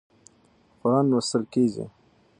قرآن لوستل کېږي.